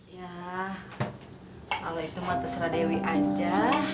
ya kalau itu mah terserah dewi aja